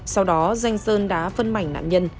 sau đó danh sơn đã phân mảnh nạn nhân